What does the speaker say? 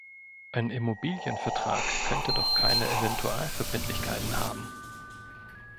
Ein Immobilienvertrag könnte doch keine Eventualverbindlichkeiten haben.